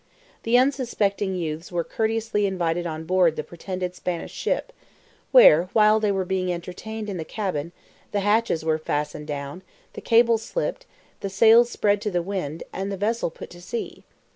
The unsuspecting youths were courteously invited on board the pretended Spanish ship, where, while they were being entertained in the cabin, the hatches were fastened down, the cable slipped, the sails spread to the wind, and the vessel put to sea.